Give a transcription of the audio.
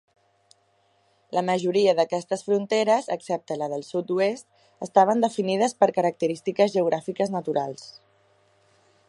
La majoria d'aquestes fronteres, excepte la del sud-oest, estaven definides per característiques geogràfiques naturals.